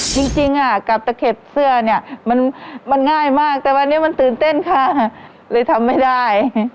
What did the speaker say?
จริงกับตะเข็บเสื้อเนี่ยมันง่ายมากแต่วันนี้มันตื่นเต้นค่ะเลยทำไม่ได้